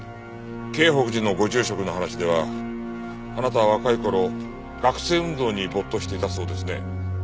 京北寺のご住職の話ではあなたは若い頃学生運動に没頭していたそうですね。